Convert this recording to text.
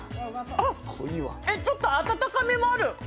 えっ、ちょっと温かみもある。